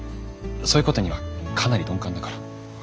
そういうことにはかなり鈍感だから。